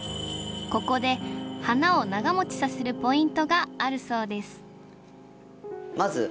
ここで花を長もちさせるポイントがあるそうです